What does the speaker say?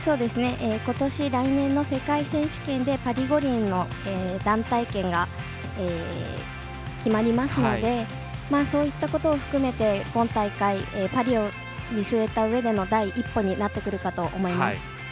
ことし、来年の世界選手権でパリ五輪の団体権が決まりますのでそういったことを含めて、今大会パリを見据えたうえで第一歩になってくるかと思います。